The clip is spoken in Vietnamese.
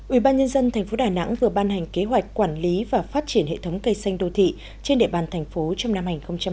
ubnd tp đà nẵng vừa ban hành kế hoạch quản lý và phát triển hệ thống cây xanh đô thị trên địa bàn thành phố trong năm hai nghìn hai mươi